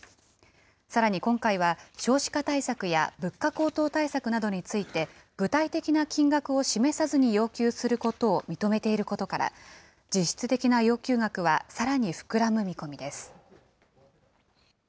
さらに今回は少子化対策や物価高騰対策などについて、具体的な金額を示さずに要求することを認めていることから、実質的な要求額はさらに膨らむ見込みです。